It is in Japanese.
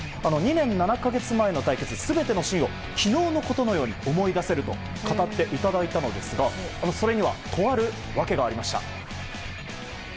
２年７か月前の対決全てのシーンを昨日のことのように思い出せると語っていただいたのですがそれにはとある訳がありました。